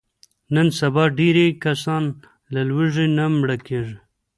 نن سبا ډېری کسان له لوږې نه مړه کېږي.